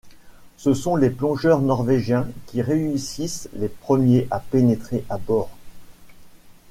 Ce sont des plongeurs norvégiens qui réussissent les premiers à pénétrer à bord.